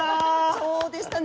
そうでしたね。